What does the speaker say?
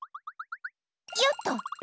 よっと！